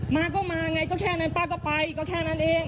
มาก็มาไงก็แค่นั้นป้าก็ไปก็แค่นั้นเอง